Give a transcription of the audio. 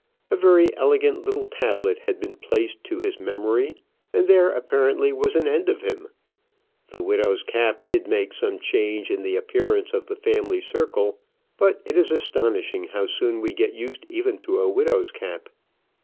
A very elegant little tablet had been placed to his memory; and there apparently was an end of him. The widow's cap did make some change in the appearance of the family circle; but it is astonishing how soon we get used even to a widow's cap!